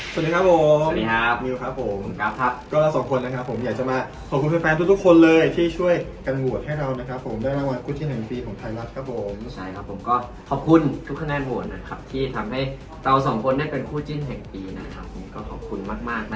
สนับสนุนโดยยาสีฟานเทพไทยใช้นิดเดียว